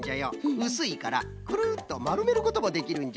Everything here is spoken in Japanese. うすいからクルッとまるめることもできるんじゃ。